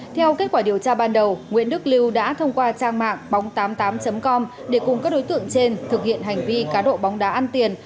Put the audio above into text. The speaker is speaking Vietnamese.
theo kết quả điều tra ban đầu nguyễn đức lưu đã thông qua trang mạng bóng tám mươi tám com để cùng các đối tượng trên thực hiện hành vi cá độ bóng đá ăn tiền